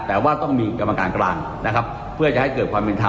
แต่ว่าต้องมีกรรมการกลางนะครับเพื่อจะให้เกิดความเป็นธรรม